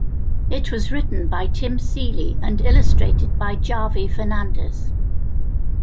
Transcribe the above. It was written by Tim Seeley and illustrated by Javi Fernandez.